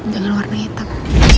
dengan warna hitam